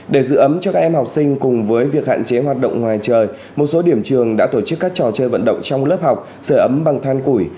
để giữ ấm cho các em học sinh cùng với việc hạn chế hoạt động ngoài trời một số điểm trường đã tổ chức các trò chơi vận động trong lớp học sửa ấm bằng than củi